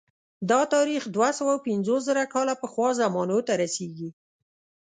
دا تاریخ دوه سوه پنځوس زره کاله پخوا زمانو ته رسېږي